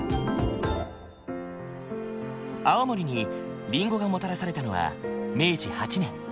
青森にりんごがもたらされたのは明治８年。